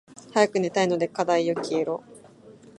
早く寝たいので課題よ消えろ。